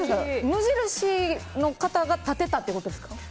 無印の方が建てたってことですか？